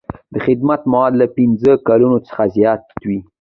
د خدمت موده له پنځه کلونو څخه زیاته وي.